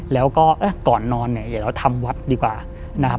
แล้วก็ก่อนนอนเนี่ยเดี๋ยวเราทำวัดดีกว่านะครับ